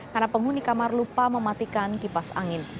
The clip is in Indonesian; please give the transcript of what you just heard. karena penghuni kamar lupa mematikan kipas angin